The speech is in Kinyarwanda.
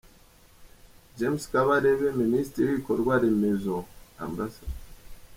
James Kabarebe; Minisitiri w’Ibikorwa remezo, Amb.